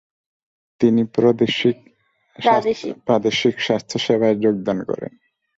তিনি প্রাদেশিক স্বাস্থ্যসেবায় যোগদান করেন।